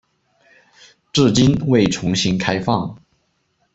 至今未重新开放。